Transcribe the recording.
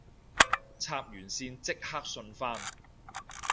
插完線即刻順返